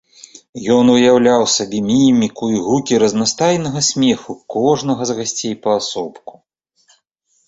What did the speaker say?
Ён уяўляў сабе міміку і гукі разнастайнага смеху кожнага з гасцей паасобку.